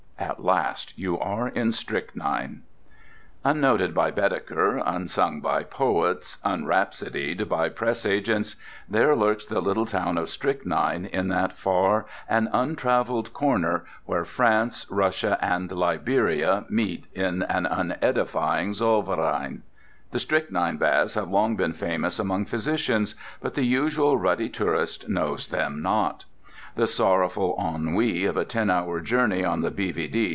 At last you are in Strychnine. Unnoted by Baedeker, unsung by poets, unrhapsodied by press agents—there lurks the little town of Strychnine in that far and untravelled corner where France, Russia, and Liberia meet in an unedifying Zollverein. The strychnine baths have long been famous among physicians, but the usual ruddy tourist knows them not. The sorrowful ennui of a ten hour journey on the B.V.D.